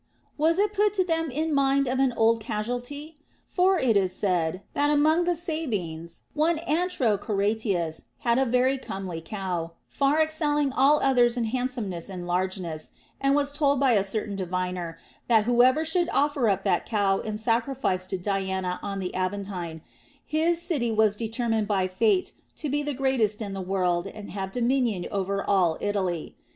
Was it to put them in mind of an old casu alty \ For it is said, that among the Sabines one Antro Coratius had a very comely cow, far excelling all others in handsomeness and largeness, and was told by a certain diviner that whoever should offer up that cow in sacrifice to Diana on the Aventine, his city was determined by fate to be the greatest in the world and have dominion over all Italy.